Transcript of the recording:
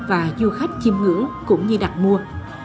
và du khách chìm ngưỡng cũng như đặt mua